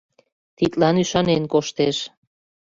Тидлан ӱшанен коштеш.